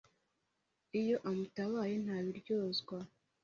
Iyo amutabaye ntabiryozwa.